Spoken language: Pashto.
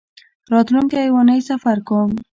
راتلونکۍ اونۍ سفر کوم